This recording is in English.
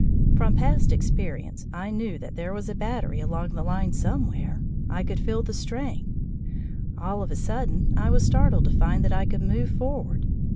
From past experience I knew that there was a battery along the line somewhere; I could feel the strain. All of a sudden I was startled to find that I could move forward.